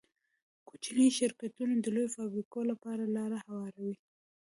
کوچني شرکتونه د لویو فابریکو لپاره لاره هواروي.